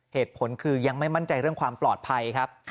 เหตุผลคือยังไม่มั่นใจเรื่องความปลอดภัยครับ